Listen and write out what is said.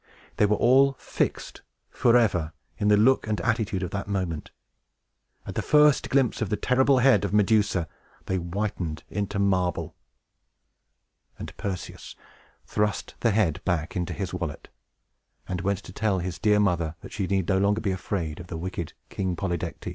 They were all fixed, forever, in the look and attitude of that moment! At the first glimpse of the terrible head of Medusa, they whitened into marble! And Perseus thrust the head back into his wallet, and went to tell his dear mother that she need no longer be afraid of the wicked King Polydectes.